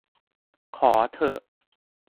ขอเถอะ